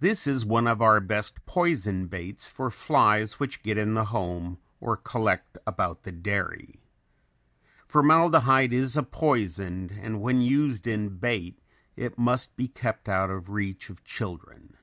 This is one of our best poison baits for flies which get in the home or collect about the dairy. Formaldehyde is a poison and when used in bait it must be kept out of reach of children.